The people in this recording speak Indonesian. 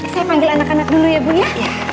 saya panggil anak anak dulu ya bu ya